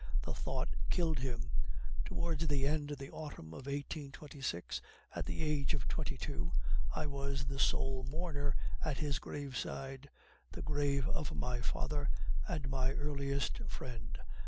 The thought killed him. Towards the end of the autumn of 1826, at the age of twenty two, I was the sole mourner at his graveside the grave of my father and my earliest friend.